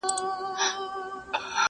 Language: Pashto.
د قاضي عاید لا نور پسي زیاتېږي،